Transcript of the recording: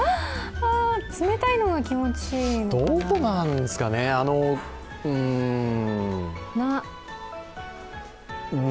冷たいのが気持ちいいのかな。